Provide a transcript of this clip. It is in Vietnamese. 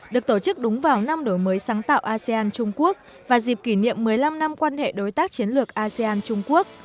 được tổ chức đúng vào năm đổi mới sáng tạo asean trung quốc và dịp kỷ niệm một mươi năm năm quan hệ đối tác chiến lược asean trung quốc